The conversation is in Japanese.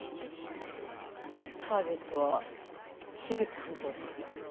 ターゲットは口班長ですから。